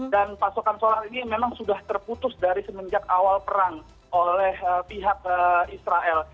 dan pasokan solar ini memang sudah terputus dari semenjak awal perang oleh pihak israel